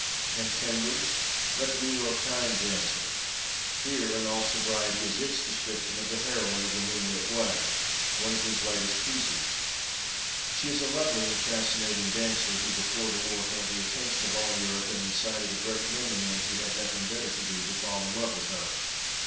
And Chambers? Let the New York Times answer. Here, in all sobriety, is its description of the heroine of "The Moonlit Way," one of his latest pieces: She is a lovely and fascinating dancer who, before the war, held the attention of all Europe and incited a great many men who had nothing better to do to fall in love with her.